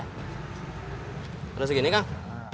harus begini kang